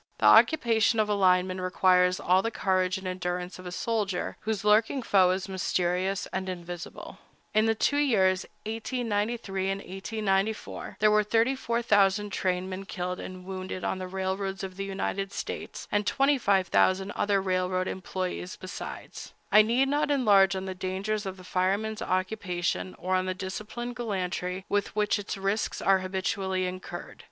The occupation of a lineman requires all the courage and endurance of a soldier, whose lurking foe is mysterious and invisible. In the two years, 1893 and 1894, there were 34,000 trainmen killed and wounded on the railroads of the United States, and 25,000 other railroad employés besides. I need not enlarge on the dangers of the fireman's occupation, or on the disciplined gallantry with which its risks are habitually incurred.